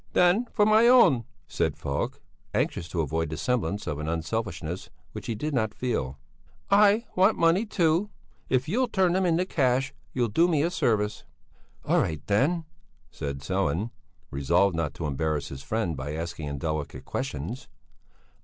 "Then for my own," said Falk, anxious to avoid the semblance of an unselfishness which he did not feel. "I want money, too. If you'll turn them into cash, you'll do me a service." "All right then," said Sellén, resolved not to embarrass his friend by asking indelicate questions.